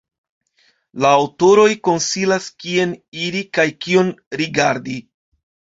La aŭtoroj konsilas, kien iri kaj kion rigardi.